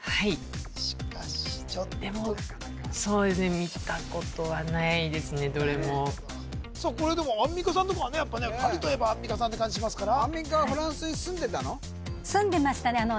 しかしちょっとでもそうですね見たことはないですねどれもアンミカさんとかはねパリといえばアンミカさんって感じしますからアンミカはフランスに住んでたの？